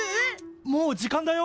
もう時間だよ！